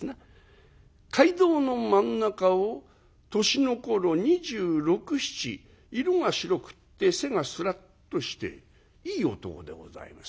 街道の真ん中を年の頃２６２７色が白くって背がスラッとしていい男でございます。